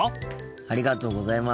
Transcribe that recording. ありがとうございます。